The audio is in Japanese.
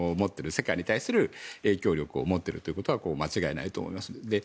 世界に対する影響力を持っているということは間違いないと思います。